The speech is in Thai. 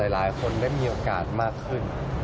หลายคนได้มีโอกาสมากขึ้น